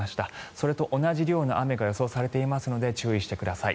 それと同じ量の雨が予想されていますので注意してください。